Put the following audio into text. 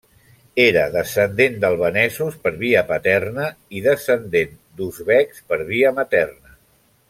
Era descendent d'albanesos per via paterna i descendent d'uzbeks per via materna.